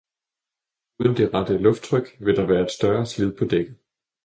uden det rette lufttryk vil der være et større slid på dækket